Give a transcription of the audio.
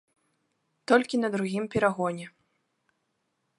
Толькі на другім перагоне.